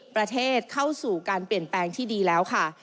ประเทศเข้าสู่การเปลี่ยนแปลงที่ดีแล้วค่ะ